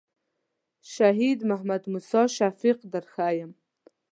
شهید محمد موسی شفیق در ښیم.